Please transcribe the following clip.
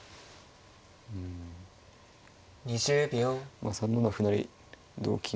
まあ３七歩成同金